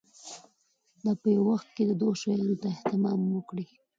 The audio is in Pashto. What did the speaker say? دا په یوه وخت کې دوو شیانو ته اهتمام وکړي.